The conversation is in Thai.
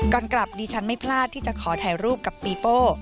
ก่อนกลับดิฉันไม่พลาดที่จะขอถ่ายรูปกับปีโป้